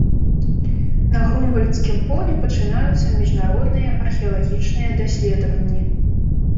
На грунвальдскім полі пачынаюцца міжнародныя археалагічныя даследаванні.